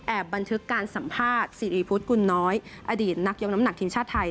บันทึกการสัมภาษณ์สิริพุทธกุลน้อยอดีตนักยกน้ำหนักทีมชาติไทย